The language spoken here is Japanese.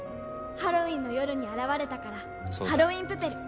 ハロウィンの夜に現れたからハロウィン・プペル。